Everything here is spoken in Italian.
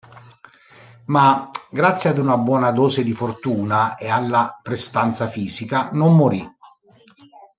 Ma, grazie ad una buona dose di fortuna e alla prestanza fisica, non morì.